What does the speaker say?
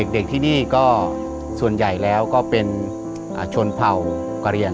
เด็กที่นี่ก็ส่วนใหญ่แล้วก็เป็นชนเผ่ากระเรียง